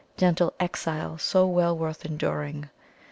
gentle Exile so well worth enduring!